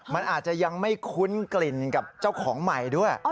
มันอาจจะยังไม่คุ้นกลิ่นกับเจ้าของใหม่ด้วย